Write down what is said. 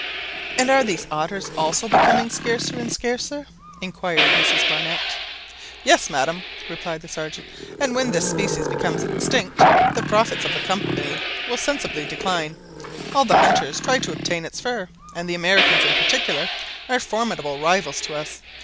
"And are these otters also becoming scarcer and scarcer?" inquired Mrs Barnett. "Yes, madam," replied the Sergeant; "and when this species becomes extinct, the profits of the Company will sensibly decline. All the hunters try to obtain its fur, and the Americans in particular are formidable rivals to us.